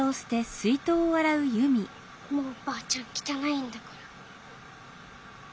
もうばあちゃんきたないんだから。